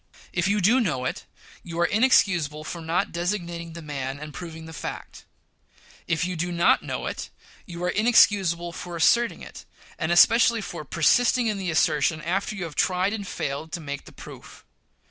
If you do know it, you are inexcusable for not designating the man and proving the fact. If you do not know it, you are inexcusable for asserting it, and especially for persisting in the assertion after you have tried and failed to make the proof.